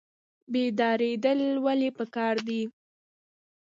بیداریدل ولې پکار دي؟